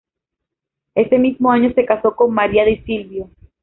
Ese mismo año se casó con María Di Silvio.